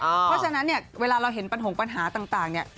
เพราะฉะนั้นเนี่ยเวลาเราเห็นปัญหาต่างเนี่ย